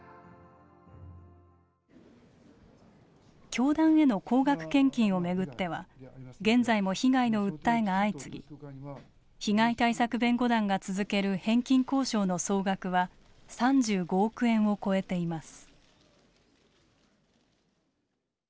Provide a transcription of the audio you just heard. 教団への高額献金をめぐっては現在も被害の訴えが相次ぎ被害対策弁護団が続ける返金交渉の総額は３５億円を超えています。